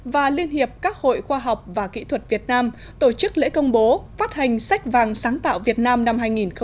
và liên hiệp các hội khoa học và kỹ thuật việt nam tổ chức lễ công bố phát hành sách vàng sáng tạo việt nam năm hai nghìn một mươi chín